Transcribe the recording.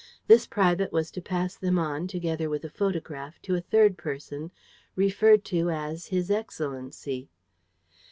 This private was to pass them on, together with a photograph, to a third person, referred to as his excellency.